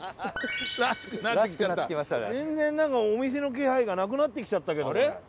全然なんかお店の気配がなくなってきちゃったけどこれ。